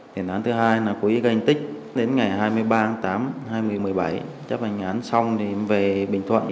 tiền án thứ hai là quý ganh tích đến ngày hai mươi ba tháng tám hai nghìn một mươi bảy chấp hành án xong thì về bình thuận